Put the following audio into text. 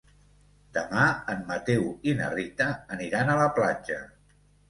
Demà en Mateu i na Rita aniran a la platja.